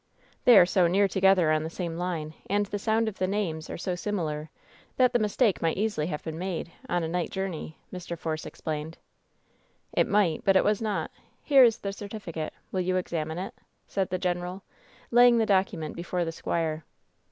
*^They are so near together on the same line, and the sound of the names are so similar, that the mistake might easily have been made — on a night journey/' Mr. Force explained. "It might, but it was not. Here is the certificate. Will you examine it ?" said the general, laying the docu« ment before the squire.